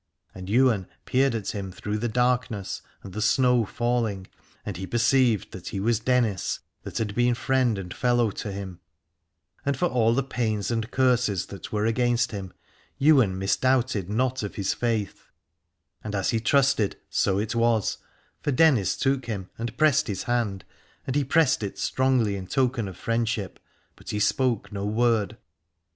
And Ywain peered at him through the darkness and the snow falling, and he per ceived that he was Dennis that had been friend and fellow to him : and for all the pains and curses that were against him Ywain mis doubted not of his faith And as he trusted, so it was : for Dennis took him and pressed his hand, and he pressed it strongly in token of friendship, but he spoke no word.